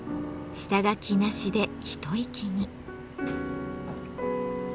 下書きなしで一息に。